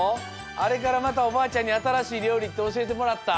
あれからまたおばあちゃんにあたらしいりょうりっておしえてもらった？